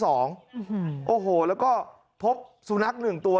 โอ้โหแล้วก็พบสุนัข๑ตัว